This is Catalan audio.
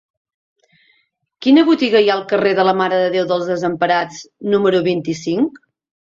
Quina botiga hi ha al carrer de la Mare de Déu dels Desemparats número vint-i-cinc?